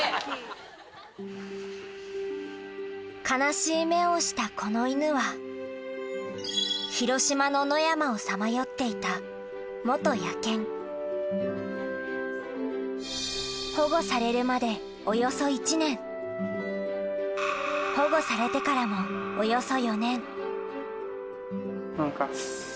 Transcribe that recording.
悲しい目をしたこの犬は広島の野山をさまよっていた野犬保護されるまでおよそ１年保護されてからもおよそ４年ウォンカ。